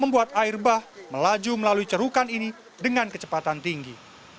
membuat air bah melaju melalui cerukan ini dengan kecepatan tinggi